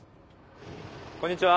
こんにちは。